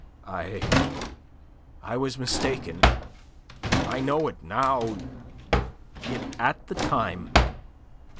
"I I was mistaken. I know it now. Yet, at the time...